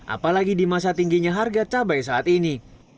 apalagi di masa tingginya harga cabai saat ini